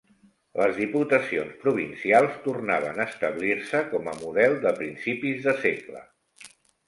Les Diputacions provincials tornaven a establir-se com a model de principis de segle.